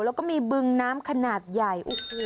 แล้วก็มีบึงน้ำขนาดใหญ่